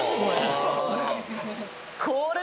これ。